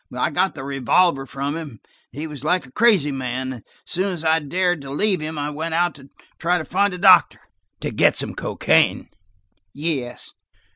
I got the revolver from him–he was like a crazy man, and as soon as I dared to leave him, I went out to try and find a doctor–" "To get some cocaine?" "Yes."